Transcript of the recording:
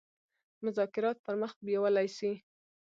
مذاکرات پر مخ بېولای سي.